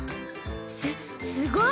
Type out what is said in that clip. すすごい！